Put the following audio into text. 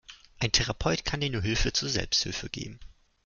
Ein Therapeut kann dir nur Hilfe zur Selbsthilfe geben.